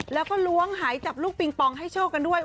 แล้วก็ล้วงหายจับลูกปิงปองให้โชคกันด้วย